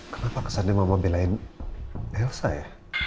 kenapa kesannya mama belain elsa ya